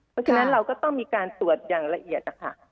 เพราะฉะนั้นเราก็ต้องมีการตรวจอย่างละเอียดนะคะ